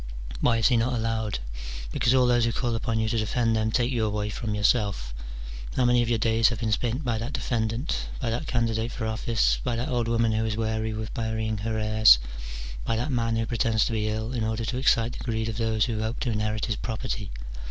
Why is he not allowed? because all those who call upon you to defend them, take you away from yourself. How many of your days have been spent by that defendant ? by that candidate for office ? by that old woman who is weary with burying her heirs ? by that man who pretends to be ill, in order to excite the greed of those who hope to inherit his property?